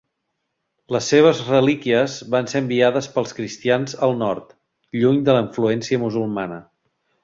Les seves relíquies van ser enviades pels cristians al nord, lluny de la influència musulmana.